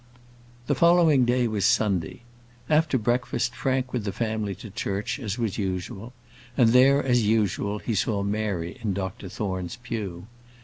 The following day was Sunday. After breakfast Frank went with the family to church, as was usual; and there, as usual, he saw Mary in Dr Thorne's pew.